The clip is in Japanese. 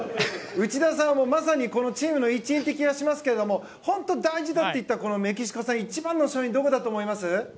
内田さんは、まさにチームの一員という気がしますが本当に大事だって言っていたメキシコ戦一番の勝因はどこだと思います？